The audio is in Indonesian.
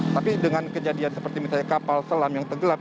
tapi dengan kejadian seperti misalnya kapal selam yang tenggelam